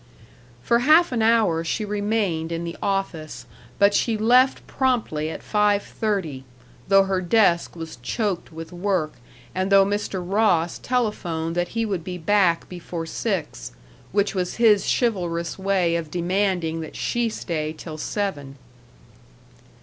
For half an hour she remained in the office, but she left promptly at five thirty, though her desk was choked with work and though Mr. Ross telephoned that he would be back before six, which was his chivalrous way of demanding that she stay till seven.